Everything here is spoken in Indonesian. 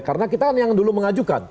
karena kita kan yang dulu mengajukan